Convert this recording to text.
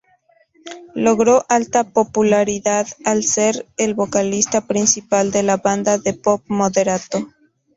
Logró alta popularidad al ser el vocalista principal de la banda de pop Moderatto.